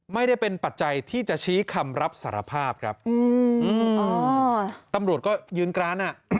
ไม่ได้เป็นปัจจัยที่จะชี้คำรับสารภาพครับตำรวจก็ยืนกรานอ่ะ